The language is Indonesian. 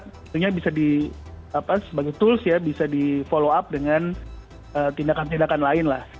tentunya bisa sebagai tools ya bisa di follow up dengan tindakan tindakan lain lah